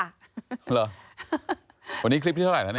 หรือวันนี้คลิปที่เท่าไหร่แล้วนี่